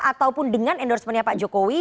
ataupun dengan endorsement nya pak jokowi